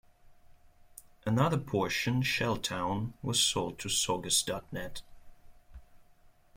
Another portion, ShellTown, was sold to Saugus dot net.